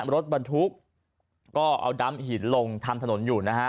รถบรรทุกก็เอาดำหินลงทำถนนอยู่นะฮะ